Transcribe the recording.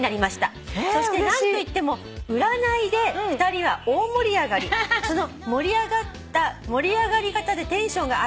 「そして何といっても占いで２人は大盛り上がり」「その盛り上がり方でテンションが上がった